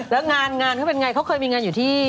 แล้วงานก็เป็นไงเค้าเคยมีงานอยู่ที่